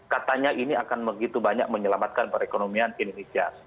katanya ini akan begitu banyak menyelamatkan perekonomian indonesia